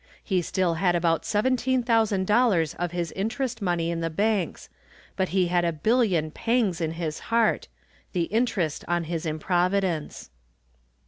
He still had about $17,000 of his interest money in the banks, but he had a billion pangs in his heart the interest on his improvidence.